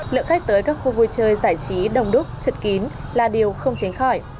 lượng khách tới các khu vui chơi giải trí đông đúc trật kín là điều không chến khỏi